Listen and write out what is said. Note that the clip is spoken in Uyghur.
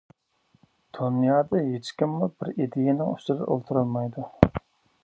دۇنيادا ھېچكىممۇ بىر ئىدىيەنىڭ ئۈستىدە ئولتۇرالمايدۇ.